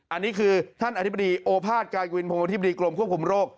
อันนี้คือท่านอธิบดีโอภาษกายวินพงศ์อธิบดีกรมควบคุมโรค